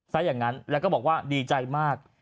ซะอย่างนั้นแล้วก็บอกว่าดีใจมาก